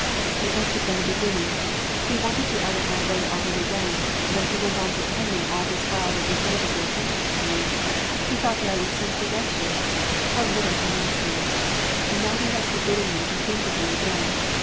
"It must have been the beginning: he wanted you out of my way already then, though he went on pretending all this while that he favoured your attentions to me. He thought that I would soon forget you. How little he knows me! And now he has forbidden me to think of you again.